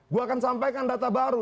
gue akan sampaikan data baru